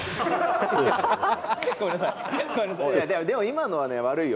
「でも今のはね悪いよ。